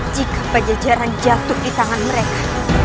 jika pajajaran jatuh di tangan mereka